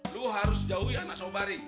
lu harus jauhi anak sobari